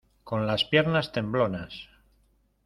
con las piernas temblonas.